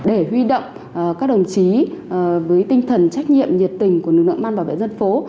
để huy động các đồng chí với tinh thần trách nhiệm nhiệt tình của lực lượng ban bảo vệ dân phố